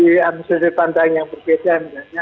dari ambusnya dari pandang yang berbeda